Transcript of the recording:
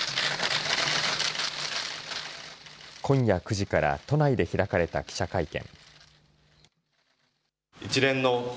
今夜９時から都内で開かれた記者会見。